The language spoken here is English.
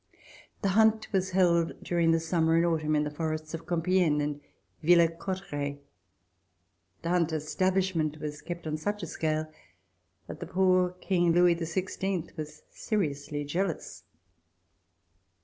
The hunt was held during the summer and autumn in the forests of Compiegne and Villers Cotterets. The hunt establishment was kept on such a scale that the poor King Louis XVI was seriously jealous.